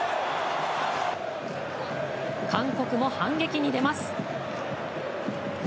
韓国も反撃に出ます。